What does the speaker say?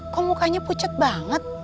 kok mukanya pucet banget